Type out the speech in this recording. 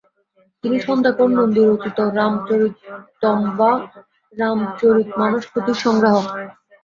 তিনি সন্ধ্যাকর নন্দী রচিত রামচরিতম্ বা রামচরিতমানস পুঁথির সংগ্রাহক।